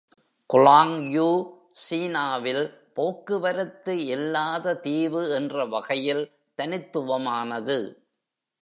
குலாங்யூ சீனாவில் "போக்குவரத்து இல்லாத தீவு" என்ற வகையில் தனித்துவமானது.